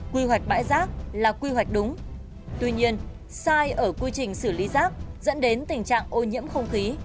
quy hoạch bãi rác là quy hoạch đúng tuy nhiên sai ở quy trình xử lý rác dẫn đến tình trạng ô nhiễm không khí